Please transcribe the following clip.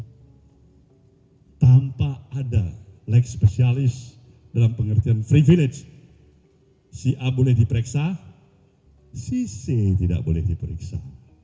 karena tanpa ada leg spesialis dalam pengertian privilege si a boleh diperiksa si c tidak boleh diperiksa